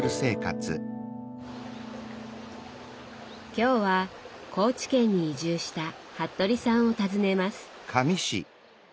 今日は高知県に移住した服部さんを訪ねます。